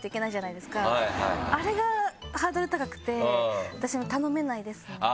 あれがハードル高くて私も頼めないですね。